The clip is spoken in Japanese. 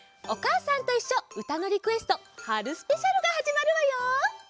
「おかあさんといっしょうたのリクエスト春スペシャル」がはじまるわよ！